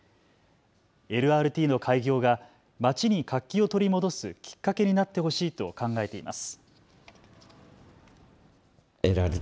ＬＲＴの開業がまちに活気を取り戻すきっかけになってほしいと考えています。